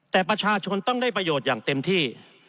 แต่ประชาชนต้องได้ประโยชน์อย่างเต็มที่